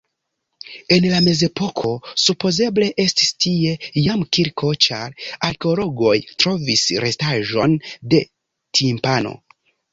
En la mezepoko supozeble estis tie jam kirko, ĉar arkeologoj trovis restaĵon de timpano.